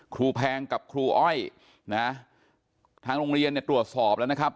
ครูแพงกับครูอ้อยทางโรงเรียนตรวจสอบแล้วนะครับ